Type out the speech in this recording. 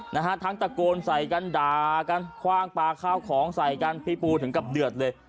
นะฮะทั้งตะโกนใส่กันด่ากันคว่างปลาข้าวของใส่กันพี่ปูถึงกับเดือดเลย